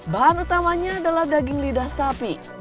bahan utamanya adalah daging lidah sapi